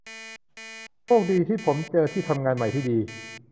โชคดีที่ผมเจอที่ทำงานใหม่ที่ดี